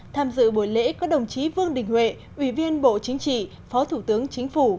tham dự buổi lễ có đồng chí vương đình huệ ủy viên bộ chính trị phó thủ tướng chính phủ